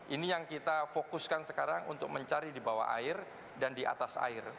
ini yang kita fokuskan sekarang untuk mencari di bawah air dan di atas air